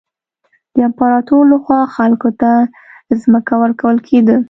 د امپراتور له خوا خلکو ته ځمکه ورکول کېده.